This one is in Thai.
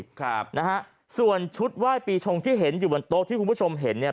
ครับนะฮะส่วนชุดไหว้ปีชงที่เห็นอยู่บนโต๊ะที่คุณผู้ชมเห็นเนี่ย